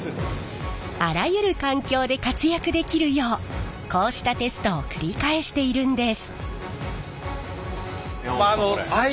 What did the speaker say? あらゆる環境で活躍できるようこうしたテストを繰り返しているんです。